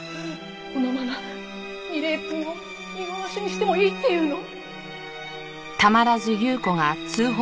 このまま楡井くんを見殺しにしてもいいっていうの？